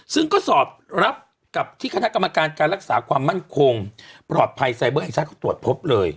ซึ่งก็สอบรับกับที่คณะกรรมการการรักษาความมั่นคงปลอดภัยไซเบอร์แห่งชาติเขาตรวจพบเลย